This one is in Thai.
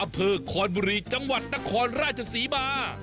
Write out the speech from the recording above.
อเผิกคอนบุรีจังหวัดนครราชสีมา